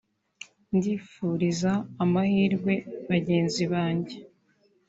ndifuriza amahirwe bagenzi banjye